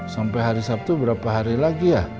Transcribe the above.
sampai hari sabtu berapa hari lagi ya